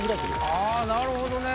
あっなるほどね。